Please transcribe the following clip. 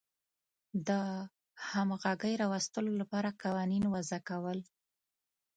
د همغږۍ راوستلو لپاره قوانین وضع کول.